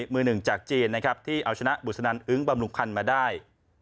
มือหนึ่งจากจีนนะครับที่เอาชนะบุษนันอึ้งบำรุงพันธ์มาได้